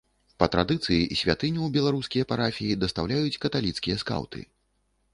Па традыцыі святыню ў беларускія парафіі дастаўляюць каталіцкія скаўты.